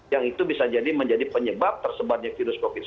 yang itu bisa jadi menjadi penyebab tersebarnya virus covid sembilan belas